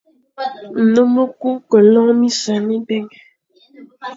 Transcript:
Nnôm e ku ke lon minseñ mibè.